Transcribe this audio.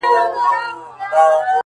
په جرس د ابادۍ د قافیلو به راویښ نه سم,